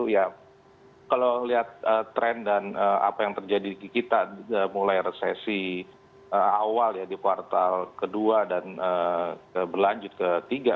ya kalau lihat tren dan apa yang terjadi di kita mulai resesi awal ya di kuartal kedua dan berlanjut ketiga